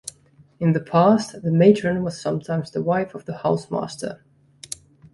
In the past, the matron was sometimes the wife of the housemaster.